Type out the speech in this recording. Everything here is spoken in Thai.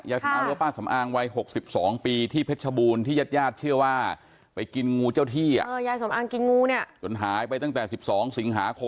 แย้สำอางเรือป้างสำอางวัย๖๒ปีที่เพชรบูลที่ญาติญาติเชื่อว่าไปกินงูเจ้าที่